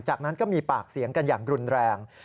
จากนั้นก็มีปากเสียงกันอย่างรุนแรง